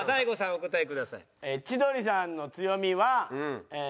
お答えください。